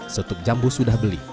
stup jambu sudah beli